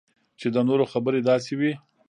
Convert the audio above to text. چې د نورو خبرې داسې وي